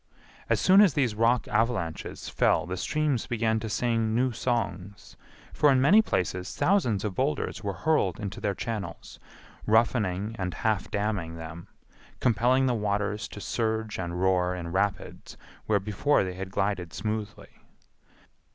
As soon as these rock avalanches fell the streams began to sing new songs; for in many places thousands of boulders were hurled into their channels, roughening and half damming them, compelling the waters to surge and roar in rapids where before they glided smoothly.